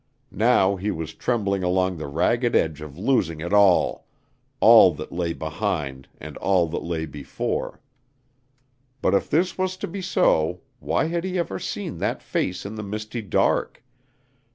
Now he was trembling along the ragged edge of losing it all all that lay behind and all that lay before. But if this was to be so, why had he ever seen that face in the misty dark?